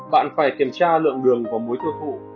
bạn phải kiểm tra lượng đường của muối thư phụ